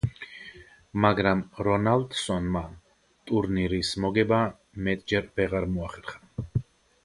მაგრამ დონალდსონმა ტურნირის მოგება მეტჯერ ვეღარ მოახერხა.